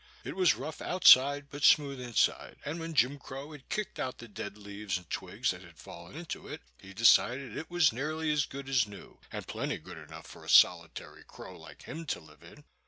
It was rough outside, but smooth inside, and when Jim Crow had kicked out the dead leaves and twigs that had fallen into it, he decided it was nearly as good as new, and plenty good enough for a solitary crow like him to live in.